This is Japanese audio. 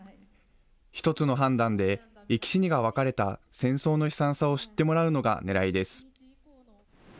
１つの判断で生き死にが分かれた戦争の悲惨さを知ってもらうのがねらいです。